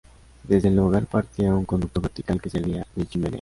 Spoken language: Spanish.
Desde el hogar partía un conducto vertical que servía de chimenea.